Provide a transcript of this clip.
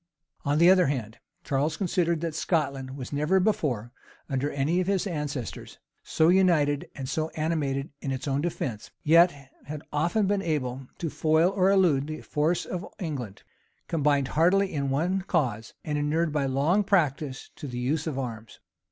On the other hand, Charles considered that Scotland was never before, under any of his ancestors, so united and so animated in its own defence; yet had often been able to foil or elude the force of England, combined heartily in one cause, and inured by long practice to the use of arms.